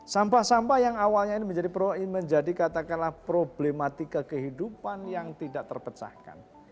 sampah sampah yang awalnya ini menjadi katakanlah problematika kehidupan yang tidak terpecahkan